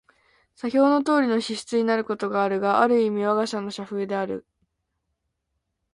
左表のとおりの支出になることが、ある意味わが社の社風である。